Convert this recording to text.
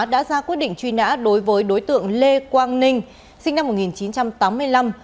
đã ra quyết định truy nã đối với đối tượng lê quang ninh sinh năm một nghìn chín trăm tám mươi năm